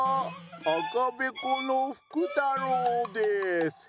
あかべこのふくたろうです。